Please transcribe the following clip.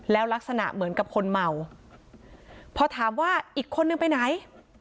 แล้วลักษณะเหมือนกับคนเมาพอถามว่าอีกคนนึงไปไหน